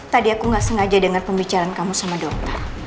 tadi aku gak sengaja dengar pembicaraan kamu sama dokter